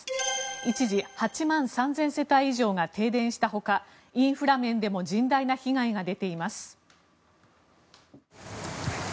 一時、８万３０００世帯以上が停電したほかインフラ面でも甚大な被害が出ています。